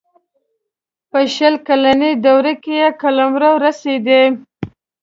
په شل کلنه دوره کې قلمرو رسېدی.